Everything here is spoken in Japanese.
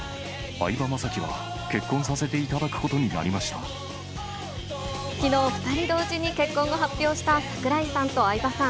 相葉雅紀は結婚させていただきのう、２人同時に結婚を発表した櫻井さんと相葉さん。